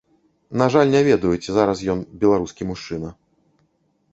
На жаль, не ведаю, ці зараз ён беларускі мужчына.